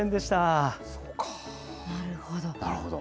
なるほど。